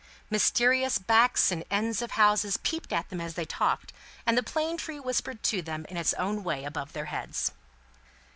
Mysterious backs and ends of houses peeped at them as they talked, and the plane tree whispered to them in its own way above their heads.